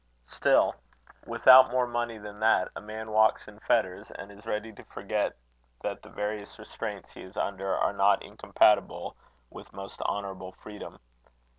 Still, without more money than that a man walks in fetters, and is ready to forget that the various restraints he is under are not incompatible with most honourable freedom.